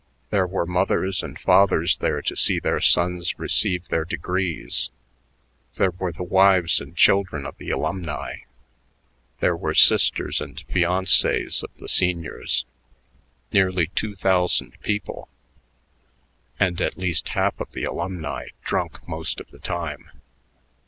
There were mothers and fathers there to see their sons receive their degrees, there were the wives and children of the alumni, there were sisters and fiancées of the seniors. Nearly two thousand people; and at least half of the alumni drunk most of the time.